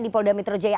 di polda metro jaya